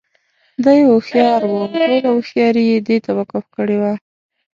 دى هوښيار وو او ټوله هوښياري یې دې ته وقف کړې وه.